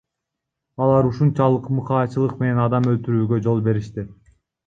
Алар ушунчалык мыкаачылык менен адам өлтүрүүгө жол беришти.